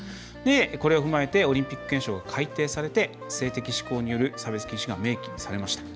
これを踏まえてオリンピック憲章が改定されて性的指向による差別禁止が明記されました。